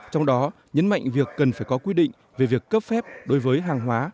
trong đó nhấn mạnh việc cần phải có quy định về việc cấp phép đối với hàng hóa